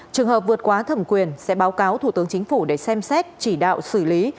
trường hợp vượt quá thẩm quyền sẽ báo cáo thủ tướng chính phủ để xem xét chỉ đạo xử lý